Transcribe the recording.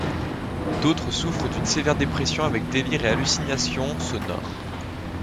D'autres souffrent d'une sévère dépression avec délires et hallucinations sonores.